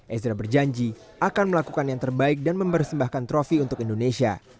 ezra berjanji akan melakukan yang terbaik dan membersembahkan trofi untuk indonesia